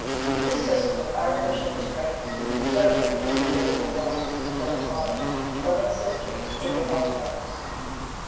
"This system of artificial restraints certainly produced faithful wives, gentle mothers, loving sisters, able housewives.